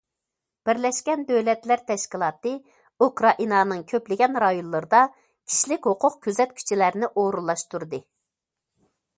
بىرلەشكەن دۆلەتلەر تەشكىلاتى ئۇكرائىنانىڭ كۆپلىگەن رايونلىرىدا كىشىلىك ھوقۇق كۆزەتكۈچىلەرنى ئورۇنلاشتۇردى.